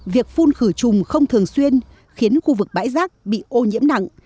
việc phun khử trùng không thường xuyên khiến khu vực bãi rác bị ô nhiễm nặng